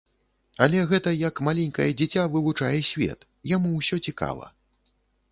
Але гэта як маленькае дзіця вывучае свет, яму ўсё цікава.